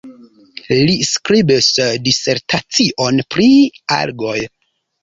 Li skribis disertacion pri algoj.